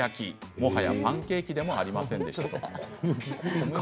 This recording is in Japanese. もはやパンケーキでもありませんでした。